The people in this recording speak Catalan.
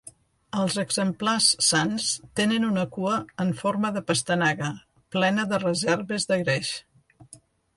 Els exemplars sans tenen una cua en forma de pastanaga, plena de reserves de greix.